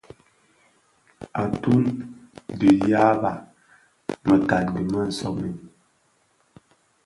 Atum bi dyaba mëkangi më somèn.